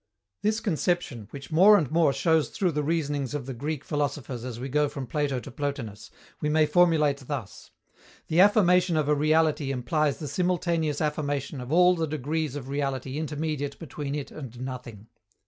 This conception, which more and more shows through the reasonings of the Greek philosophers as we go from Plato to Plotinus, we may formulate thus: _The affirmation of a reality implies the simultaneous affirmation of all the degrees of reality intermediate between it and nothing.